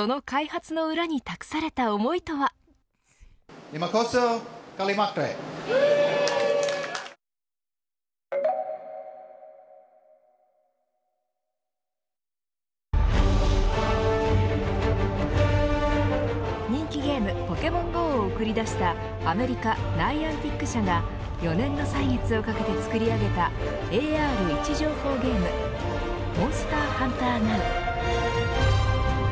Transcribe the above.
その開発の裏に人気ゲームポケモンＧＯを送り出したアメリカＮｉａｎｔｉｃ社が４年の歳月をかけて売り上げたＡＲ位置情報ゲームモンスターハンターＮｏｗ。